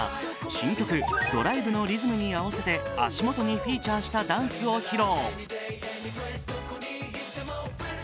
新曲「Ｄｒｉｖｅ」のリズムに合わせて足元にフィーチャーしたダンスを披露。